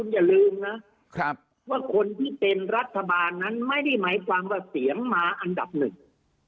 อย่าลืมนะว่าคนที่เป็นรัฐบาลนั้นไม่ได้หมายความว่าเสียงมาอันดับหนึ่ง